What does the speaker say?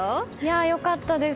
良かったです。